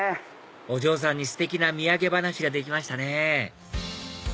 お嬢さんにステキな土産話ができましたね